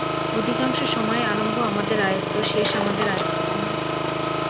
অধিকাংশ সময়েই আরম্ভ আমাদের আয়ত্ত, শেষ আমাদের আয়ত্ত নহে।